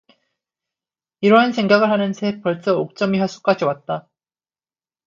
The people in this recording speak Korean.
이러한 생각을 하는 새 벌써 옥점의 하숙까지 왔다.